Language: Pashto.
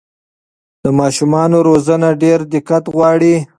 د ماشومانو روزنه ډېر دقت غواړي.